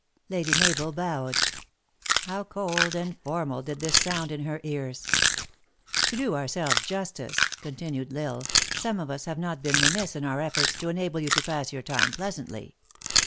Lady Mabel bowed. How cold and formal did this sound in her ears.. "To do ourselves justice," continued L lsle, "some of us have not been remiss in our eiforts to enable you to pass your time pleasantly.